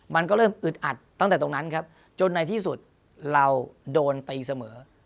มันก็เริ่มอึดอัดตั้งแต่ตรงนั้นครับจนในที่สุดเราโดนตีเสมอ